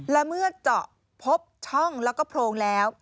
และเมื่อเจาะพบช่องแล้วก็โพรงแล้ว